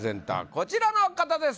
こちらの方です